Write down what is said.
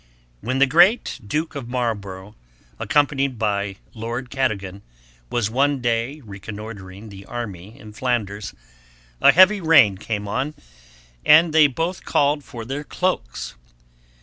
When the great Duke of Marlborough, accompanied by Lord Cadogan, was one day reconnoitering the army in Flanders, a heavy rain came on, and they both called for their cloaks.